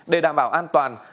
để đảm bảo an toàn